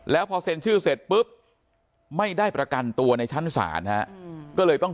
แล้วพอเซ็นชื่อเสร็จปุ๊บไม่ได้ประกันตัวในชั้นศาลก็เลยต้อง